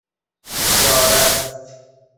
یارست